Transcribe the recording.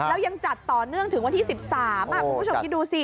แล้วยังจัดต่อเนื่องถึงวันที่๑๓คุณผู้ชมคิดดูสิ